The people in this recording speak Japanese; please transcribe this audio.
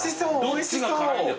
どっちが辛いんだ